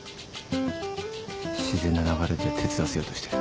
自然な流れで手伝わせようとしてる。